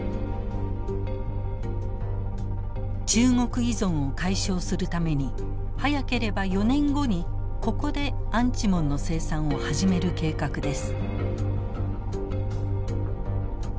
中国依存を解消するために早ければ４年後にここでアンチモンの生産を始める計画です。